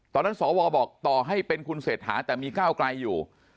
ตอนนั้นสวบอกต่อให้เป็นคุณเสร็จหาแต่มีก้าวกรายอยู่